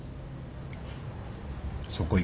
そこ行く？